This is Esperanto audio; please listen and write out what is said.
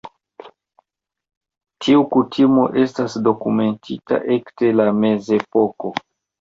Tiu kutimo estas dokumentita ekde la Mezepoko.